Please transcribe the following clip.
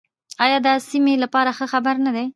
آیا دا د سیمې لپاره ښه خبر نه دی؟